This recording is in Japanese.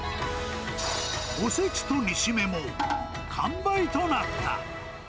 おせちと煮しめも完売となった。